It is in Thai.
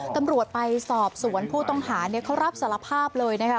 ตำรวจไปสอบสวนผู้ต้องหาเขารับสารภาพเลยนะคะ